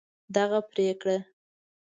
دغه پرېکړه